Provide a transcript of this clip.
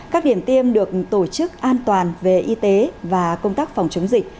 các điểm tiêm được tổ chức an toàn về y tế và công tác phòng chống dịch